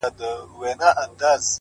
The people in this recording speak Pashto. سـتـــا خــبــــــري دي-